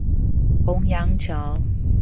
虹揚橋